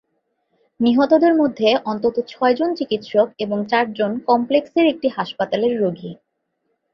নিহতদের মধ্যে অন্তত ছয়জন চিকিৎসক এবং চারজন কমপ্লেক্সের একটি হাসপাতালের রোগী।